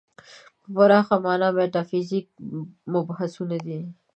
په پراخه معنا میتافیزیک مبحثونه دي.